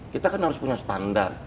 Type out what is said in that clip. kita kan harus punya standar